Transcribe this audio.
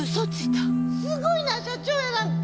すごいなあ社長やなんて。